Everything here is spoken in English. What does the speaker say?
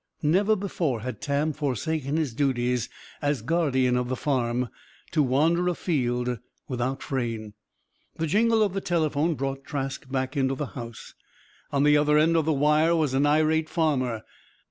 Never before had Tam forsaken his duties as guardian of the farm to wander afield without Frayne. The jingle of the telephone brought Trask back into the house. On the other end of the wire was an irate farmer.